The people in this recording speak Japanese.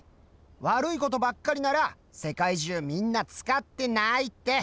悪いことばっかりなら世界中みんな使ってないって！